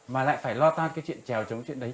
mà lại phải lo toan cái chuyện trèo chống chuyện đấy